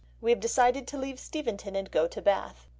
We have decided to leave Steventon and go to Bath.